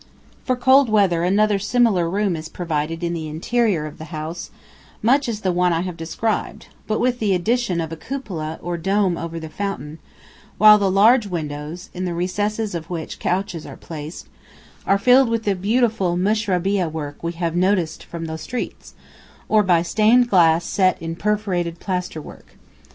[Footnote 3: Guest chamber.] For cold weather another similar room is provided in the interior of the house much as the one I have described, but with the addition of a cupola or dome over the fountain, while the large windows, in the recesses of which couches are placed, are filled with the beautiful "mushrabiyeh" work we have noticed from the streets, or by stained glass set in perforated plaster work.